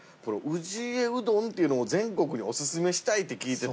氏家うどんっていうのを全国にオススメしたいって聞いて。